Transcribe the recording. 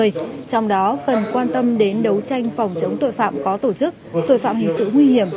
trong đó cần quan tâm đến đấu tranh phòng chống tội phạm có tổ chức tội phạm hình sự nguy hiểm